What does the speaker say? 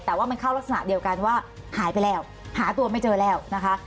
แต่ว่ามันเข้ารักษณะเดียวกันว่าหายไปแล้วหาตัวไม่เจอแล้วนะคะ